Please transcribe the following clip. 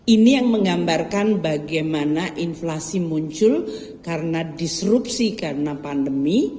ini yang menggambarkan bagaimana inflasi muncul karena disrupsi karena pandemi